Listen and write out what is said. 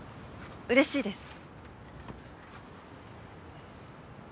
うれしいです。